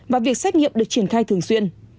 và việc xét nghiệm được triển khai thường xuyên